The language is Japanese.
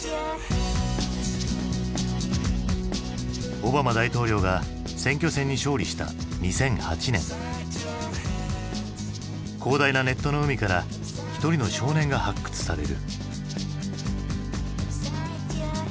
オバマ大統領が選挙戦に勝利した２００８年広大なネットの海から一人の少年が発掘される。